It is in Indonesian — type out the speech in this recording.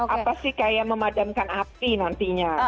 apa sih kayak memadamkan api nantinya